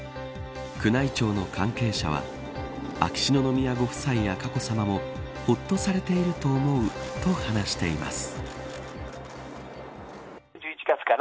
宮内庁の関係者は秋篠宮ご夫妻や佳子さまもほっとされていると思うと話しています。